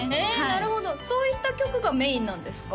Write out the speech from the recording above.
なるほどそういった曲がメインなんですか？